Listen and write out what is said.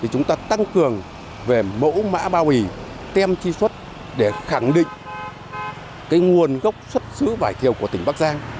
chúng ta tăng cường về mẫu mã bao bì tem tri xuất để khẳng định nguồn gốc xuất xứ vải thiều của tỉnh bắc giang